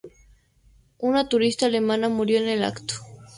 Una turista alemana murió en el acto.